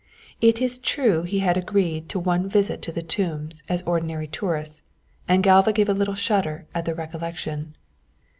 It is true he had agreed to one visit to the tombs, as ordinary tourists, and Galva gave a little shudder at the recollection.